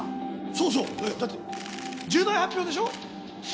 そうそう。えっだって重大発表でしょ。